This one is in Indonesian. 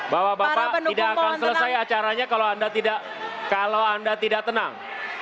bahwa bapak tidak akan selesai acaranya kalau anda tidak tenang